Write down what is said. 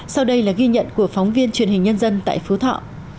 sau đây là ghi nhận của phóng viên truyền hình nhân dân tại phú thọ